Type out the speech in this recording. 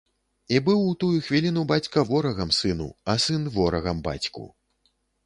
І быў у тую хвіліну бацька ворагам сыну, а сын ворагам бацьку.